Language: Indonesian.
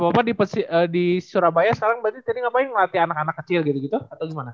oh jadi papa di surabaya sekarang berarti tadi ngapain ngelatih anak anak kecil gitu gitu atau gimana